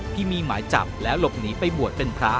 ที่มีหมายจับแล้วหลบหนีไปบวชเป็นพระ